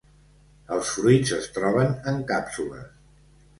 Els fruits es troben en càpsules.